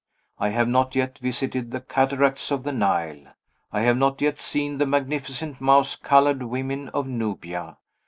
I have not yet visited the cataracts of the Nile; I have not yet seen the magnificent mouse colored women of Nubia.